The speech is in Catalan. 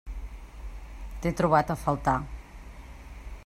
T'he trobat a faltar.